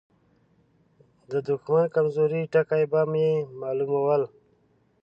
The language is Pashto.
د دښمن کمزوري ټکي به يې مالومول.